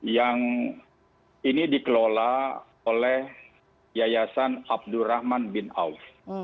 yang ini dikelola oleh yayasan abdurrahman bin auf